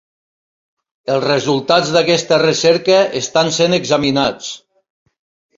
Els resultats d'aquesta recerca estan sent examinats.